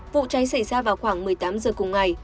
vụ cháy xảy ra vào khoảng một mươi tám giờ cùng ngày